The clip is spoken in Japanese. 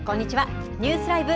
ニュースＬＩＶＥ！